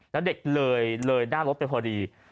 แล้วเด็กเลยหน้ารถไปพอดี